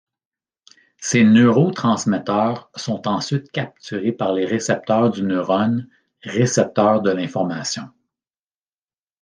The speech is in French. Ces neurotransmetteurs sont ensuite capturés par les récepteurs du neurone récepteur de l'information.